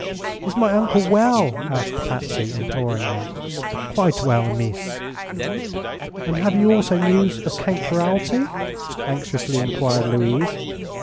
"Is my uncle well?" asked Patsy, imploringly. "Quite well, mees." "And have you also news of Count Ferralti?" anxiously enquired Louise.